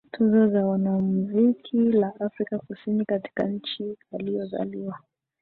Tuzo la Wanamziki la Afrika Kusini katika nchi aliyozaliwa